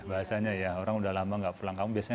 bahasanya ya orang udah lama gak pulang kamu biasanya